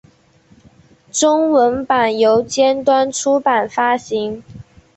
中文版由尖端出版发行。